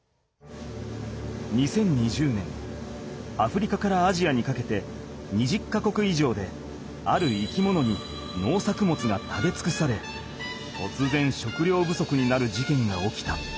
２０２０年アフリカからアジアにかけて２０か国いじょうである生き物に農作物が食べつくされとつぜん食料不足になるじけんが起きた。